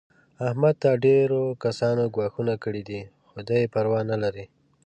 احمد ته ډېرو کسانو ګواښونه کړي دي. خو دی یې پروا نه لري.